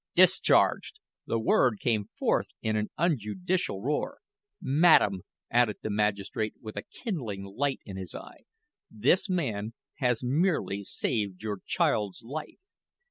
"Discharged!" The word came forth in an unjudicial roar. "Madam," added the magistrate, with a kindling light in his eye, "this man has merely saved your child's life.